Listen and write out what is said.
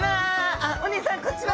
あっおにいさんこんにちは！